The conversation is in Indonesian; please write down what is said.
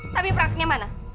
tapi perangkatnya mana